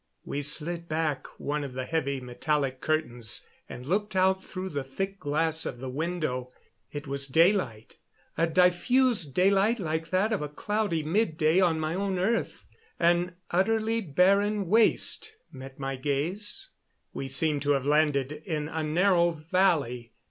We slid back one of the heavy metallic curtains and looked out through the thick glass of the window. It was daylight a diffused daylight like that of a cloudy midday on my own earth. An utterly barren waste met my gaze. We seemed to have landed in a narrow valley.